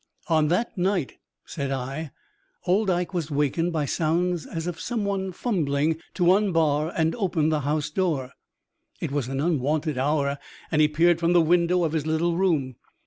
"On that night," said I, "old Ike was wakened by sounds as of someone fumbling to unbar and open the housedoor. It was an unwonted hour, and he peered from the window of his little room.